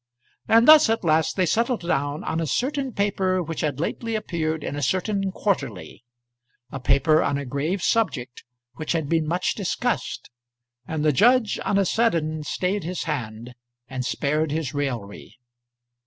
And thus at last they settled down on a certain paper which had lately appeared in a certain Quarterly a paper on a grave subject, which had been much discussed and the judge on a sudden stayed his hand, and spared his raillery.